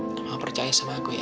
mama percaya sama aku ya